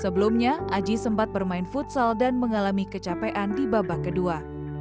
sebelumnya aji sempat bermain futsal dan mengalami kecapean di babak kedua